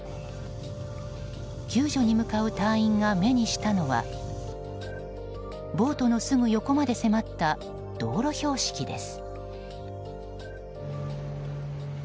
救助に向かう隊員が目にしたのはボートのすぐ横まで迫った道路標識です。